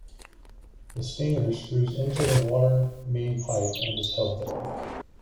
The stinger screws into the water main pipe and is held there.